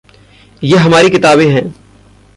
ये हमारी किताबें हैं।